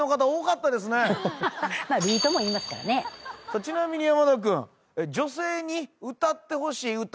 ちなみに山田君。